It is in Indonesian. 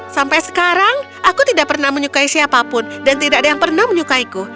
sampai sekarang aku tidak pernah menyukai siapapun dan tidak ada yang pernah menyukaiku